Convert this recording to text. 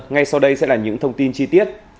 ngay sau đây sẽ là những thông tin chi tiết